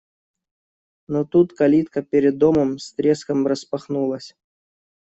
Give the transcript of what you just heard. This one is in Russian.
Но тут калитка перед домом с треском распахнулась.